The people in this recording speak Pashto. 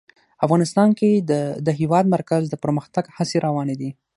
افغانستان کې د د هېواد مرکز د پرمختګ هڅې روانې دي.